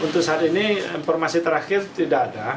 untuk saat ini informasi terakhir tidak ada